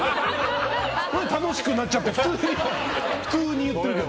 楽しくなっちゃって普通に言ってるけど。